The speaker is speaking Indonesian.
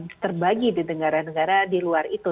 nah sisanya terbagi dengan negara negara di luar itu